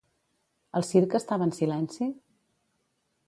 El circ estava en silenci?